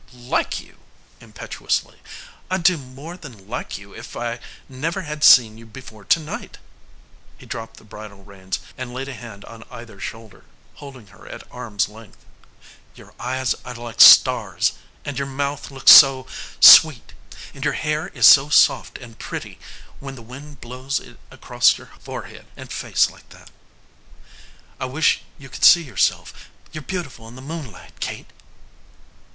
"Like you!" impetuously. "I'd do more than like you if I never had seen you before to night!" He dropped the bridle reins and laid a hand on either shoulder, holding her at arms' length. "Your eyes are like stars! And your mouth looks so sweet! And your hair is so soft and pretty when the wind blows it across your forehead and face like that! I wish you could see yourself. You're beautiful in the moonlight, Kate!"